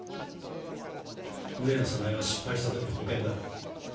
上野早苗は失敗した時の保険だ。